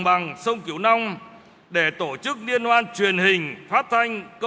và tạm nhìn yourself về lumpa k note là chính vì